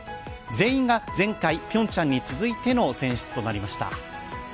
全員が、前回ピョンチャンに続いての選出となりました。